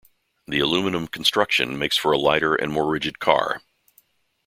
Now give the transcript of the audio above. The aluminium construction makes for a lighter and more rigid car.